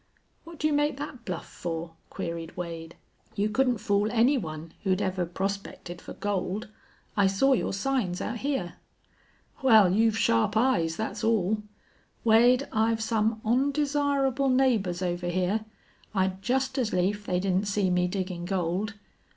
"What do you make that bluff for?" queried Wade. "You couldn't fool any one who'd ever prospected for gold. I saw your signs out here." "Wal, you've sharp eyes, thet's all. Wade, I've some ondesirable neighbors over here. I'd just as lief they didn't see me diggin' gold.